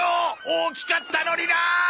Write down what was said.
大きかったのにな！